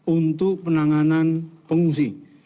untuk penanganan pengungsi